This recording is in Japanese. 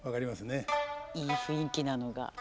いい雰囲気なのが。